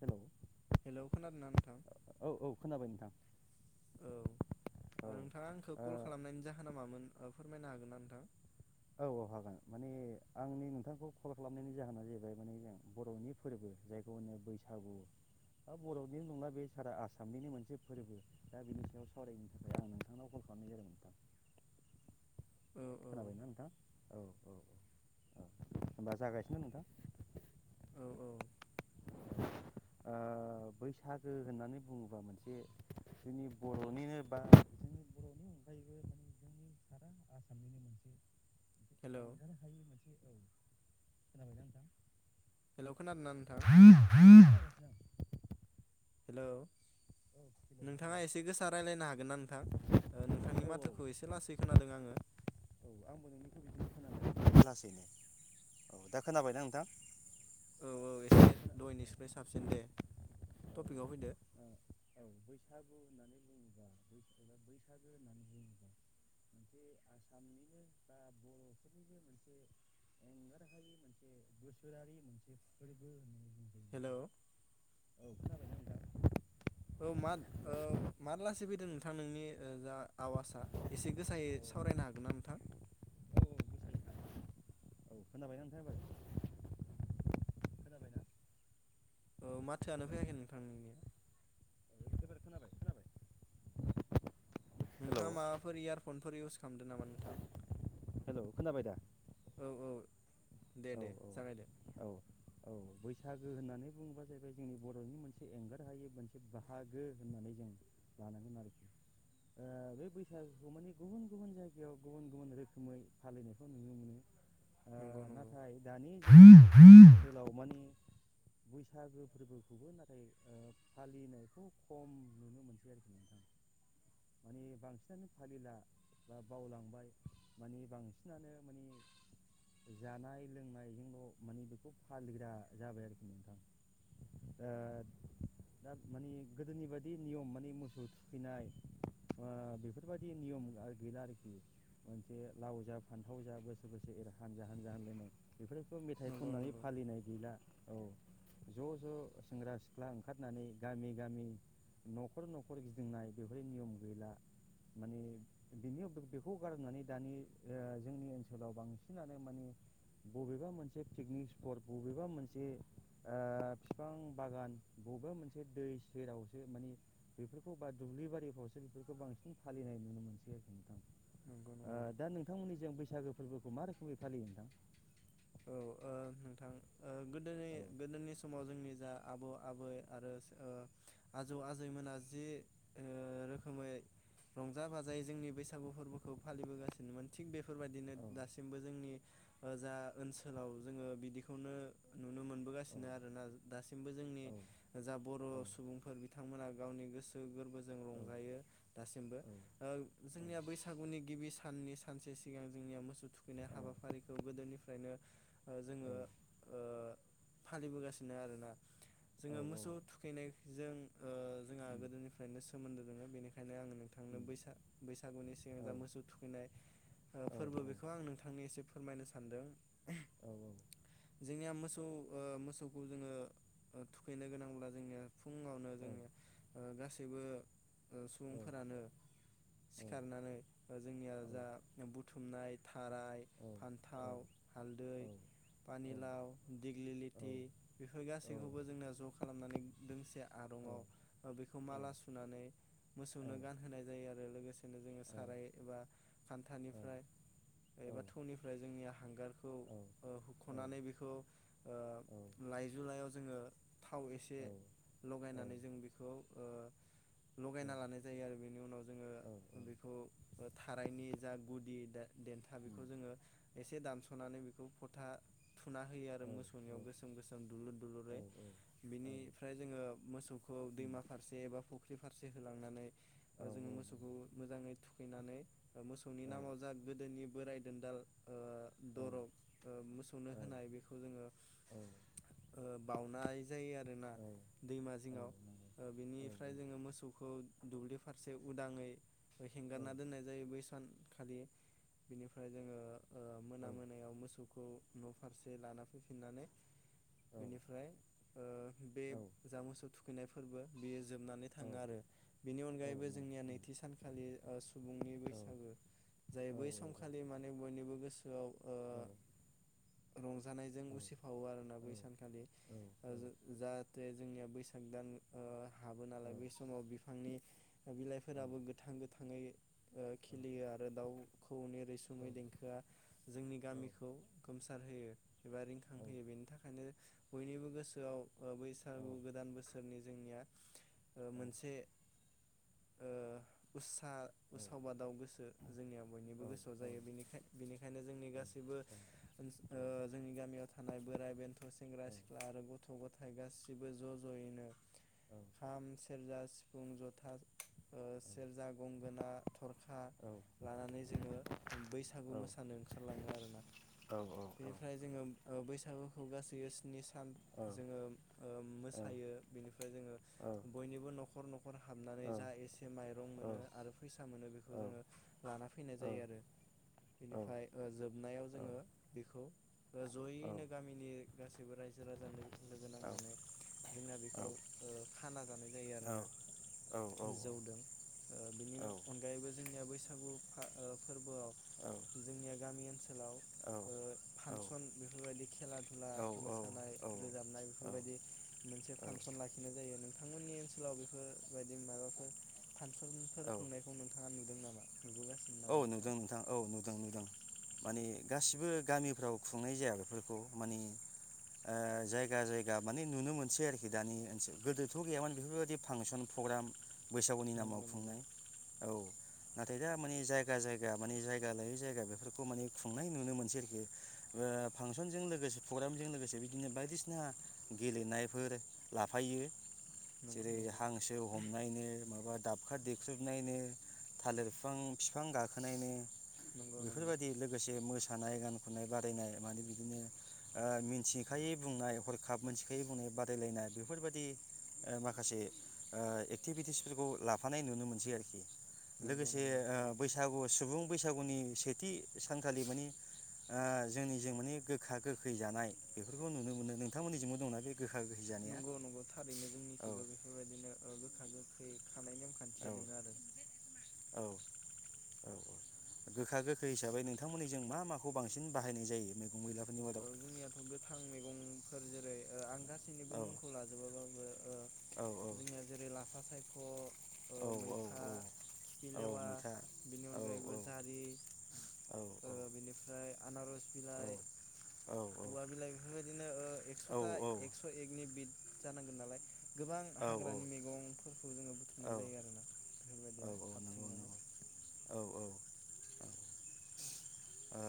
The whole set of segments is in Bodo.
हेलौ हेल' खोनादोंना नोंथां? औ औ खोनाबाय नोंथां औ औ ओ नोंथाङा आंखौ कल खालामनायनि जाहोना मामोन फोरमायनो हागोन ना नोंथां? औ औ हागोन माने आंनि नोंथांखौ कल खालामनायनि जाहोना जाहैबाय माने जों बर'नि फोरबो जायखौ होनो बैसागु बर'नि नंला बे सारा आसामनिनो मोनसे फोरबो दा बिनि सायाव सावरायनो थाखाय आं नोंथांनाव कल खालामनाय जादों नोंथां औ औ खोनाबायना नोंथ दा औ औ औ होनबा जागासिनो नोंथां औ औ ओ‌ बैसागो होननानै बुङोबा मोनसे जोंनि बर'निनो बा जों बर'नि अनगायैबो जोंनि सारा आसामनि मोनसे हेलौ एंगार हायै मोनसे औ खोनाबायना नोंथां? हेल' खोनदोना नोंथां? औ हेल' हेलौ हेलौ नोंथाङा एसे गोसा रायलायनो हागोन ना नोंथां ओ औ नोंथांनि माथोखौ एसे लासै खोनाद दों आङो औ आंबो नोंनिखौ बि खोनाबाय लासैनो औ दा खोनाबायना नोंथां? औ औ एसे दहयनिस्राय साबसिन दे औ टपिकआव फैदो औ बैसागु होननानै बुङोबा बा बैसागो होननानै बुङोबा मोनसे आसामनिनो बा बर'फोरनिनो मोनसे एंगारहायै मोनसे बोसोरारि मोनसे फोरबो होननानै बुङो। हेल' औ खोनाबाय नोंथां? औ माद औ मारलासै फैदों नों थां नोंनि ओ जा आवाजआ एसे गोसायै सावरायनो हागोन ना नोंथां? मोसायो खोनाबायना नोंथांआ एबार खोनाबायना? औ माथोआनो हेलौ फैयाखै नोंथां नोंनिया एबार खोनाबाय खोनाबाय हेलौ नोंथाङा माबाफोर इयारफन फोर इउस खामदो नामा नोंथां? हेल' खोनाबाय दा औ औ दे औ दे जागायदो औ औ औ बैसागो होननानै बुङोबा जाहैबाय जोंनि बर'नि मोनसे एंगार हायै मोनसे बाहागो होननानै जों लानांगोन आरोखि ओ बे बैसागुखौ माने गुबुन गुबुन जायगायाव गुबुन गुबुन रोख खोमै फालिनायखौ नुनो मोनो। ओ नंगौ नंगौ नाथाय दानि जोलाव माने बैसागो फोरबोखौबो नाथाय ओ फालिनायखौ खम नुनो मोनसै आरोखि नोंथां माने बांसिनानो फालिला बा बावलांबाय मानि बांसिनानो मानि जानाय लोंनायजोंल' मानि बेखौ फालिग्रा जाबाय आरोखि नोंथां। ओ दा मानि गोदोनि बायदि नियम माने मोसौ थुखैनाय ओ बेफोरबायदि नियम गैला आरोखि। उम बे लाव जा फान्थाव जा बोसोर बोसोर एर हानजा हानजा होनलायनाय बेफोरखौ मेथाइ नंगौ खननानै नंगौ फालिनाय गैला। औ ज' ज' सेंग्रा सिख्ला ओंखारनानै गामि गामि न'खर न'खर गिदिंनाय बेफोर नियम गैला माने बिनि बेखौ गारनानै दानि ओ जोंनि ओनसोलाव बांसिनानो माने बबेबा मोनसे पिकनिक स्पर्ट बबेबा मोनसे ओ बिफां बागान बबेबा मोनसे दै सेरावसो माने बेफोरखौ बा दुब्लि बारिफ्रावसो बेफोरखौ बांसिन फालिनाय नुनो मोनसै आरोखि नोंथां। नंगौ। ओ नंगौ दा नोंथांमोननि जों बैसागो फोरबोखौ मा रोखोमै फालियो नोंथां? औ ओ नोंथां ओ औ गोदोनि-गोदोनि समाव जोंनि जा आबौ आबै आरो ओ आजौ आजैमोना जि ओ रोखोमै रंजा बाजायै जोंनि बैसागु फोरबोखौ फालिबोगासिनोमोन थिग बेफ बेफोरबायदिनो औ दासिमबो जोंनि ओ जा ओनसोलाव जोङो बिदिखौनो नुनो मोनबोगासिनो आरोना दासि सिमबो जोंनि औ जा बर' औ सुबुंफोर बिथांमोना गावनि गोसो गोरबोजों रंजायो दासिमबो ओ जोंनिया बैसागुनि गिबि साननि सानसे सिगां जोंनिया मोसौ थुखैनाय औ हाबाफारिखौ गोदोनिफ् फ्रायनो ओ जोङो ओ फालिबोगासिनो आरोना। औ जोङो औ मोसौ थुखैनाय जों ओ जोंहा उम गोदोनिफ्रायनो सोमोन्दो दोङो बेनिखायनो आङो नो थांनो उम बैसागुनि सिगां औ जा मोसौ थुखैनाय ओ औ फोरबो बेखौ आं नोंथांनि एसे फोरमायनो सान्दों। औ औ। जोंनिया मोसौ ओ मोसौखौ जोङो ओ थुखैनो गोनांब्ला जोंनिया फुङावनो औ जोङो ओ गास सैबो ओ औ सुबुंफोरानो औ सिखारनानै ओ जोंनिया जा बुथु थुमनाय था थाराय, फान्थाव हालदै, पानिलाव, दिग्लि लिथि बेफोर गासै खौबो जोंना ज' खालामनानै दोंसे आरंआव बेखौ माला सुनानै मोसौनो गानहोनाय जायो आरो लोगोसेनो जोङो साराय एबा खान्थानिफ्राय एबा थौनिफ्राय जोंनि हांगारख खौ ओ हुख'नानै बेखौ ओ लाइजुलायाव जोङो थाव एसे लगायनानै जों बेखौ ओ लगायना लानाय जायो आरो बेनि उनाव जोङो बेखौ थारायनि जा गुदि दे-देन्था बेखौ जोङो एसे दानस स'नानै बेखौ फथा थु थुना होयो आरो मोसौनियाव गोसोम गोसोम दुलुर दुलुरै बिनिफ्राय जोङो मोसौखौ दैमा फारसे एबा फख फुख्रि फारसे होलांनानै जोङो मोसौखौ मोजाङै, थुखैनानै मोसौनि नामाव जा गोदोनि बोराय, सेनदाल ओ दरब मोसौनो होनाय बेखौ जोङो ओ, बावउनाय जायो आरो आरोना दैमा जिङाव बिनिफ्राय जोङो मोसौखौ, दुब्लि फारसे उदाङै हेंगारना दोननाय जायो बै सानखालि बिनिफ्राय जोङो ओ, मोना मोनायाव मोसौ खौ न' फारसे लाना फैफिननानै, बेनिफ्राय ओ बे जामुस थु थुखैनाय फोरबो बि जोबनानै थाङो आरो बिनि अनगायैबो जोंनिया नैथि सानखालि ओ सुबुंनि बैसागु जाय बै समखालि माने बयनिबो गोसो, गोसोआव ओ रंजानायजों उसिफावो आरोना बै सानखालि ओ जाथे जोंनिया बैसाग दान ओ हाबो नालाय बै समाव बिफांनि बिलाइफोराबो गोथां गोथाङै ओ खिलियो आरो दाउखौनि रैसुमै देंखोआ जोंनि गामिखौ गोमसार होयो। एबा रिंखांहोयो बेनि थाखायनो, बयनिबो गोसोआव ओ बैसागु गोदान बोसोरनि जोंनिया मोनसा ओ उदसा उसाव बादाउ गोसो जोंनिया बयनिबो गोसोआव जायो बेनिखाय बेनिखायनो जोंनि गासैबो ओ जोंनि गामियाव थानाय बोराइ बेन्थ' सेंग्रा सिख्ला आरो गथ' गथाय गाससिबो ज' ज'यैनो खाम सिफ सेरजा सिफुं ज'था ओ सेरजा गंगोना, थरखा लानानै जोङो बै बैसागु मोसानो ओंखारलाङो आरोना बेनिफ्राय जोङो बैसागुखौ गासै स्नि सान जोङो ओ मोसायो बिनिफ्राय जोङो बयनिबो न'खर न'खर हाबनानै औ जा एसे माइरं मोनो आरो फैसा मोनो बेखौ जोङो लाना फैनाय जायो आरो निफ्राय जोबनायाव जोङो बेखौ जयैनो गामिनि गासैबो रायजो राजानो लोगो नांनानै जोंना बेखौ ओ खाना जानाय जायो आरोना जौदों बेनि अनगायैबो जोंनि बै बैसागु फा फोरबोआव जोंनिया गामि ओनसोल सोरांव ओ फांसन बेफोरबायदि खेला दधुला औ मोसानाय रोजाबनाय बेफोरबायदि मोनसे फांसन लाखिनाय जायो नों नोंथांमोननि ओनसोलाव बेफोरबायदि माबाफोर फानसनफोर औ खुंनायखौ नोंथाङा नु दों नामा नुबोगासिनो औ नामा नोंदों नोंथां औ नो दुं नुदों माने गासिबो गामिफ्राव खुंनाय जाया बेफोरखौ माने जायगा जायगा माने नुनो मोनसै आरोखि दानि ओनसोल गोदोथ' गैयामोन बेफोरबायदि फांसन फ्रग्राम बैसागुनि नामाव नंगौ नंगौ खुंनाय औ नाथाय दा माने जायगा जायगा माने जायगा लायै जायगा बेफोरखौ माने खुंनाय नुनो मोनसै आरोखि ओ फांसनजों लोगोसे प्रग्रामजों लोगोसे बिदिनो बायदिसिना गेलेनायफोर लाफायो नंगौ जेरै नंगौ हांसो हमनायनो माबा दाब [unintelligible] देख्रोबनायनि थालिर बिफां बिफां गाखोनायनो नंगौ नंगौ बेफोरबायदि लोगोसे मो सानाय गान खननाय बादायनाय मानि बिदिनो ओ मिन्थिखायै बुंनाय हरखाब मोनथिखायै बुंनाय बादायलायनाय बेफोरबायाददि ओ माखासे ओ एक्टिभिटिसफोरखौ लाफानाय नुनो मोनसै आरोखि। नंगौ [unintelligible] ओ नंगौ थारैनो बैसागु सुबुं बैसागु सौनि सेथि सानखालि मानि आ जोंनिजों माने गोखा गोखै जानाय बेफोरखौ नुनो मोनो। नोंथांमोननिजोंबो दं ना? बे गोखा गोखै जानाया नंगौ नंगौ थारैनो औ जोंनिखिबो बेफोरबायदिनो ओ गोखा गो खै खानाय औ नेमखान्थिया दोङो आरो औ औ औ गोखा गोखै हिसाबै नोंथांमोननि जों मा माखौ बांसिन बाहायनाय जायो मैगं मैला औ जोंनियाथ' गोथां मैगं फैयो जेरै ओ आं गा सैनिबो औ मुंखौ लाजोबा बाबो ओ औ औ जोंनिया जेरै लाफा साय ख' औ ओ मैथा खिफिलेवा बेनि अनगायैबो जारि ओ बेनिफ्राय आनारस बिलाइ औवा बिलाइ बेफोरबायदिनो ओ एक्स'था एकस' एकनि बिद जानांगोन नालाय गोबां औ हाग्रानि मैगंफोरखौ जोङो औ बुथुमनाय जायो आरो ना बेफोरबायदिनो नंगौ खाबथिंनानै नंगौ औ औ ओ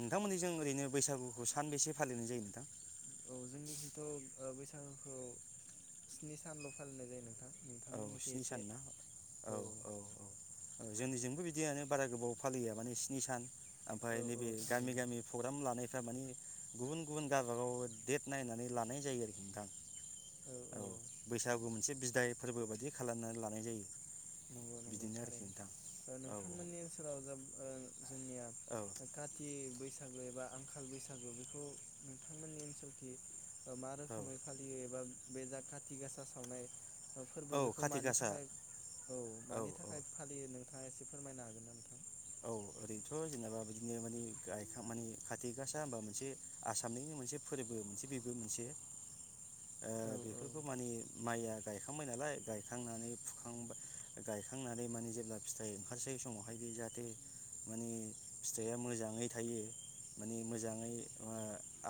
नोंथांमोननिजों ओरैनो बैसागुखौ सानबेसे फालिनाय जायो नोंथां? औ जोंनिखैथ' बैसागुखौ स्नि सानल' फालिनाय जायो नोंथां। औ नोंथांमोननिखि स्नि एसे सान ना? औ औ औ जोंनि जोंबो बि दियानो बारा गोबाव फालिया माने स्नि सान ओमफाय औ औ नैबे गामि थारैनो गामि फ्रग्राम लानाय माने गुबुन गुबुन गावबागाव देत नायनानै लानाय जायो आरोखि नोंथां। औ बैसागु मोनसे बिदाय फोरबो बायदि खालामनानै लानाय जायो। नंगौ नंगौ बिदिनो आरोखि थारैनो नोंथां ओ औ नोंथांमोननि ओनसोलाव जाब ओ जोंनिया औ काथि बैसा गो एबा आंखाल बैसागु बेखौ नोंथांमोननि ओनसोलखि मा औ रोखोमै फालियो एबा बे जा खाथि गासा सावनाय औ फोरबो बेखौ खाथि मानि गासा थाखाय औ मानि थाखाय फालियो नों नोंथांआ एसे फोरमायनो हागोन ना नोंथां? औ ओरैनोथ' जेनेबा बिदिनो माने गायखां माने खाथि गासा होनोमबा मोनसे आसामनिनो मोनसे फोरबो मोनसे बेबो मोनसे ओ औ औ बेफोरखौ माने माइया गायखांबाय नालाय गायखांनानै फुखांबाय गायखांनानै माने जेब्ला फिथाइ ओंखारसै समावहाय बे जाथ जाथे माने फिथाइया मोजाङै थायो माने मोजाङै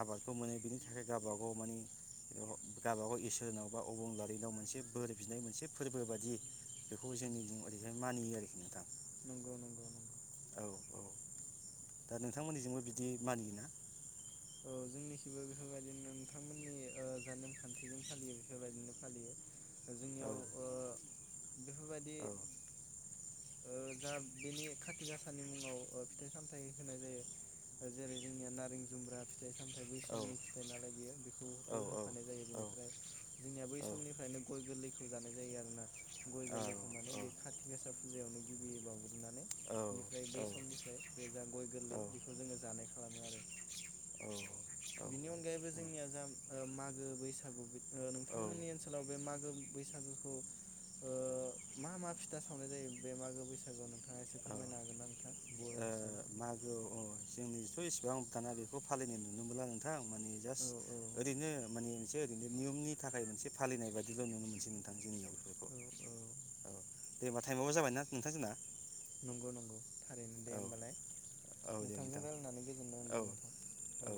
आबादखौ मोनो बिनि थाखाय गावबाागाव मानिे गावबाागाव इसोरनाव बा अबंलारिनाव मोनसे बोर बिनाय मोनसे फोरबो बादि बेखौ जोंनि ओरैहाय मानियो आरोखि नोंथां। नंगौ नंगौ नंगौ। औ औ दा नोंथांमोननिजोंबो बिदि मानियो ना? औ जोंनिखिबो बेफोरबायदिनो नोंथांमोननि ओ जा नेमखान्थिजों फालियो बेफोरबायदिनो फालियो औ जोंनियाव ओ बेफोरबायदि औ ओ जा बेनि खाथि गाासानि मुङाव ओ फिथाइ सामथाय होनाय जायो ओ जेरै जोंनिया नारें जुम्ब्रा फिथाइ सामथायाइ बै औ समनि फिथाइ नालाय बेयो औ बेखौबो होफानाय जायो औ बेनिफ्राय जोंनिया बै समनिफ्रायनो गय गोरलै खौ जानाय जायो आरो ना गय गोरलैखौ माने बे खाथि गासा फुजायावनो गिबि बाव माने औ बिनिफ्राय औ बै समनिफ्राय बे जा गय औ गोरलै बेखौ जों जानाय खालामो आरो। बेनि अनगायैबो जोंनिया जा ओ मागो बैसागु ओ औ ओ नोंथांमोननि ओनसोलाव बे मागो बैसागुखौ औ मा मा फिथा सावनाय जायो बे मागो बैसागुआव नोंथा औ ओ हिसाबै मागो औ जोंनि सयस [unintelligible] बेखौ फालिनाय नुनो मोनला नोंथां माने जास्ट औ औ ओरैनो माने सो ओरैनो नियमनि थाखाय मोनसे फालिनाय बायदिल' नुनो मोनसै नोंथां जोंनियाव। बेफोरखौ औ औ औ दे होमबा टाइमाबो जाबाय ना नोंथां जोंना? नंगौ नंगौ। थारैनो दे औ होमबालाय औ दे नोंथांजों नोंथां रायलायनानै गोजोननाय औ मोनबाय नोंथां औ